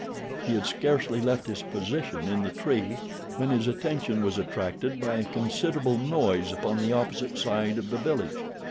He had scarcely left his position in the tree when his attention was attracted by a considerable noise upon the opposite side of the village.